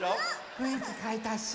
ふんいきかえたし。